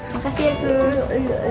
makasih ya sus